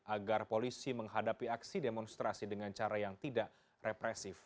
agar polisi menghadapi aksi demonstrasi dengan cara yang tidak represif